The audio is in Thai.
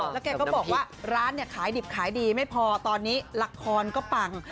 แล้วแกก็บอกว่าร้านเนี่ยขายดิบขายดีไม่พอตอนนี้ละครก็ปัง